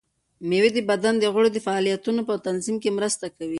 مېوې د بدن د غړو د فعالیتونو په تنظیم کې مرسته کوي.